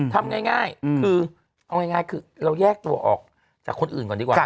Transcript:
ทำง่ายคือเอาง่ายคือเราแยกตัวออกจากคนอื่นก่อนดีกว่า